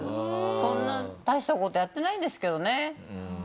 そんな大した事やってないんですけどね。